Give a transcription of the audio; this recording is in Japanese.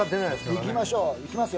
行きましょう行きますよ。